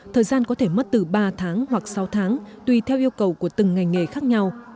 thời gian có thể mất từ ba tháng hoặc sáu tháng tùy theo yêu cầu của từng ngành nghề khác nhau